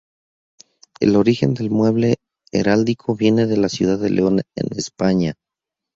El origen del mueble heráldico viene de la ciudad de León en España.